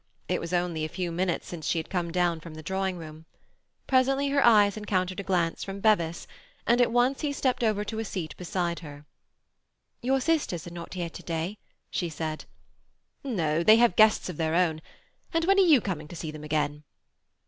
It was only a few minutes since she had come down from the drawing room. Presently her eyes encountered a glance from Bevis, and at once he stepped over to a seat beside her. "Your sisters are not here to day?" she said. "No. They have guests of their own. And when are you coming to see them again?"